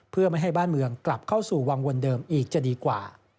เพื่อไม่ให้บ้านเมืองกลับเข้าสู่วังวลเดิมอีกจะดีกว่า